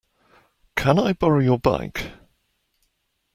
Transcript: Can I borrow your bike?